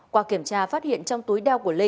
qua kiểm tra phát hiện trong túi đeo